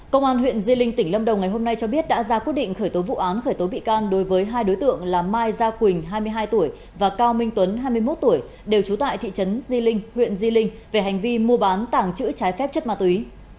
công an huyện di linh tỉnh lâm đồng ngày hôm nay cho biết đã ra quyết định khởi tố vụ án khởi tố bị can đối với hai đối tượng là mai gia quỳnh hai mươi hai tuổi và cao minh tuấn hai mươi một tuổi đều trú tại thị trấn di linh huyện di linh về hành vi mua bán tảng chữ trái phép chất ma túy